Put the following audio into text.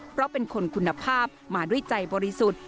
เพราะเป็นคนคุณภาพมาด้วยใจบริสุทธิ์